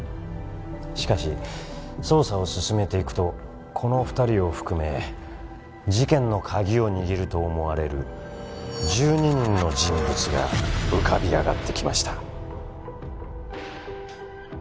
しかし捜査を進めていくとこの二人を含め事件のカギを握ると思われる１２人の人物が浮かび上がってきました